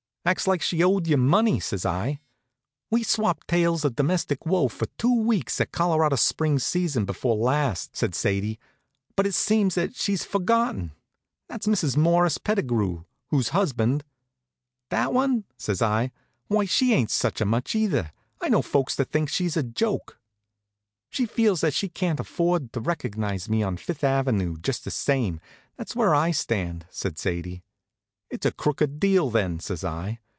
"Acts like she owed you money," says I. "We swapped tales of domestic woe for two weeks at Colorado Springs season before last," said Sadie; "but it seems that she's forgotten. That's Mrs. Morris Pettigrew, whose husband " "That one?" says I. "Why, she ain't such a much, either. I know folks that think she's a joke." "She feels that she can't afford to recognize me on Fifth ave., just the same. That's where I stand," says Sadie. "It's a crooked deal, then," says I.